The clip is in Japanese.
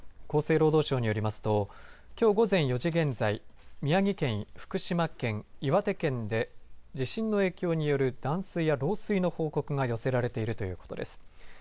厚生労働省によりますときょう午前４時現在宮城県、福島県岩手県で地震の影響による断水や漏水の報告が寄せられているということです。